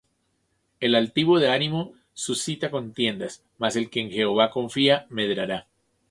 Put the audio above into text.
El altivo de ánimo suscita contiendas: Mas el que en Jehová confía, medrará.